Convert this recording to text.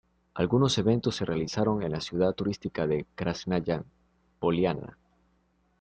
Algunos eventos se realizaron en la ciudad turística de Krásnaya Poliana.